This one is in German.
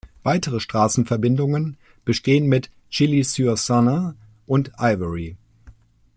Weitere Straßenverbindungen bestehen mit Chilly-sur-Salins und Ivory.